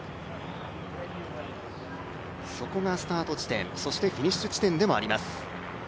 そこがスタート地点、そしてフィニッシュ地点でもあります。